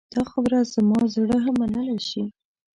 دا خبره زما زړه هم منلی شي.